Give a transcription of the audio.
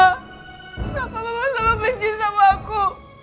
kenapa mama selalu benci sama aku